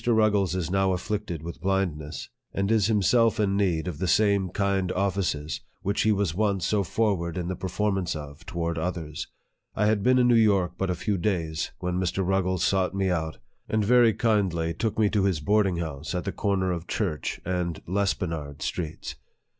Ruggles is now afflicted with blindness, and is himself in need of the same kind offices which he was once so forward in the performance of toward others. I had been in New York but a few days, when Mr. Ruggles sought me out, and very kindly took me to his boarding house at the corner of Church and Lespenard Streets.